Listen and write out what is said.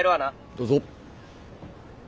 どうぞ。